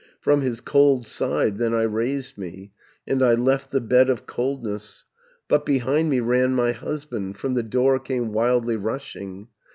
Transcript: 720 "From his cold side then I raised me, And I left the bed of coldness, But behind me ran my husband, From the door came wildly rushing.